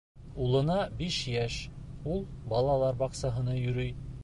Улына биш йәш. Ул балалар баҡсаһына йөрөй